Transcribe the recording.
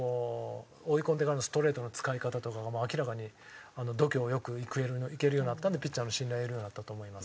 追い込んでからのストレートの使い方とかが明らかに度胸良くいけるようになったんでピッチャーの信頼得るようになったと思います。